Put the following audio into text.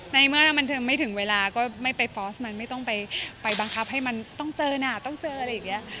ในเมื่อถ้าบันเทิงไม่ถึงเวลาก็ไม่ไปฟอสมันไม่ต้องไปบังคับให้มันต้องเจอนะต้องเจออะไรอย่างนี้